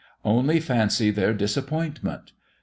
Only fancy their disappointment!